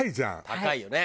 高いよね。